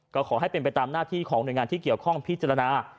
ก็ขอให้เป็นไปตามหน้าที่ของหน่วยงานที่เกี่ยวข้องพิจารณา